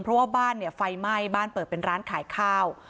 เพราะว่าบ้านเนี่ยไฟไหม้บ้านเปิดเป็นร้านขายข้าว